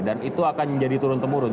dan itu akan menjadi turun temukan